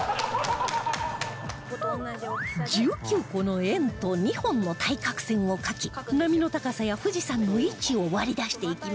１９個の円と２本の対角線を描き波の高さや富士山の位置を割り出していきます